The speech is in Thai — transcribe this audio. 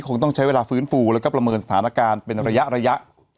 คงต้องใช้เวลาฟื้นฟูแล้วก็ประเมินสถานการณ์เป็นระยะ